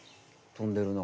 飛んでるな。